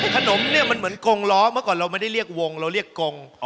ขนมเนี่ยมันเหมือนกงล้อเมื่อก่อนเราไม่ได้เรียกวงเราเรียกกง